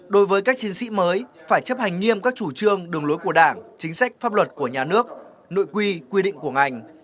đối với các chiến sĩ mới phải chấp hành nghiêm các chủ trương đường lối của đảng chính sách pháp luật của nhà nước nội quy quy định của ngành